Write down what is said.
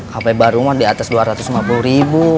hp baru mah di atas dua ratus lima puluh ribu